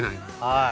はい。